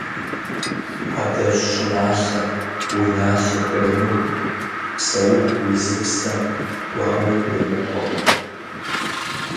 Адэжь щӀыналъэ, уи налъэ хремыху, Псэуху уи зыпсэ гуауэ хремыхуэ.